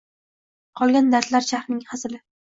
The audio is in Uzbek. Qolgan dardlar charxning hazili